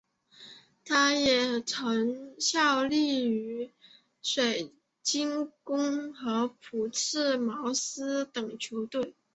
他也曾效力于水晶宫和朴茨茅斯等球队。